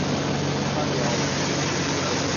Arealva